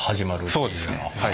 そうですねはい。